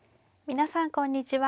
皆さんこんにちは。